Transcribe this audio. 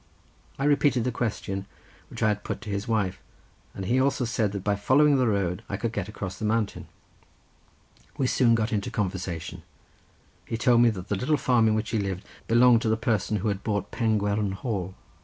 I repeated the question which I had put to his wife, and he also said that by following the road I could get across the mountain. We soon got into conversation. He told me that the little farm in which he lived belonged to the person who had bought Pengwern Hall.